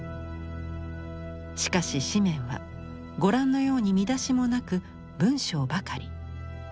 しかし紙面はご覧のように見出しもなく文章ばかり。